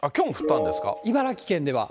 茨城県では。